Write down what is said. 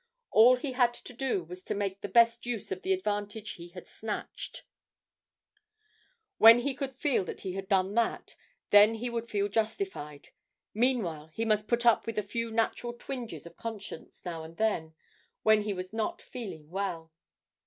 All he had to do was to make the best use of the advantage he had snatched; when he could feel that he had done that, then he would feel justified; meanwhile he must put up with a few natural twinges of conscience now and then, when he was not feeling well.